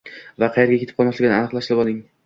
va qayerga ketib qolmasligini aniqlashtirib oling.